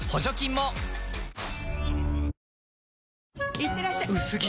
いってらっしゃ薄着！